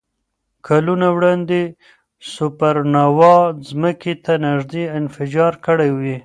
کلونه وړاندې سوپرنووا ځمکې ته نږدې انفجار کړی وي.